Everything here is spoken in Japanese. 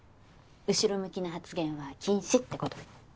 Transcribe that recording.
後ろ向きな発言は禁止ってことで。